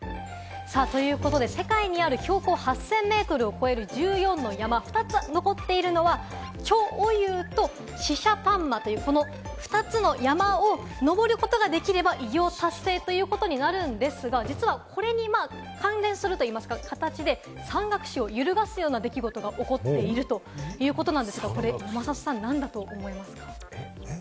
世界にある標高８０００ｍを超える１４の山、２つ残っているのはチョ・オユーとシシャパンマというこの２つの山を登ることができれば偉業達成ということになるんですが、実はこれに関連する形で山岳史揺るがすような出来事が起こっているということなんですが、これ何だと思いますか？